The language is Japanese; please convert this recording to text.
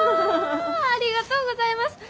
ありがとうございます！